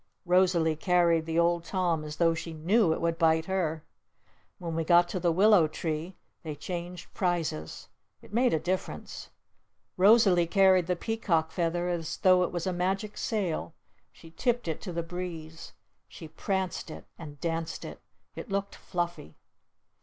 Rosalee carried the Old Tom as though she knew it would bite her. When we got to the Willow Tree they changed prizes. It made a difference. Rosalee carried the Peacock Feather as though it was a magic sail. She tipped it to the breeze. She pranced it. And danced it. It looked fluffy.